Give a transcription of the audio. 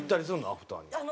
アフターに。